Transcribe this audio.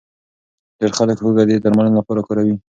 ډېر خلک هوږه د درملنې لپاره کاروي.